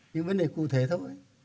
những vấn đề cụ thể thôi